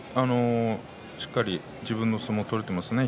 しっかり自分の相撲が取れていますね